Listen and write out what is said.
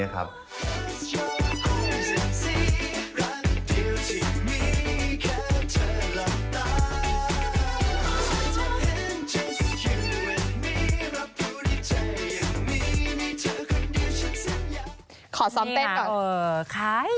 ขอซ้อมเต้นก่อน